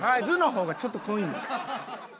「ず」の方がちょっと濃いんです。